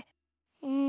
うん。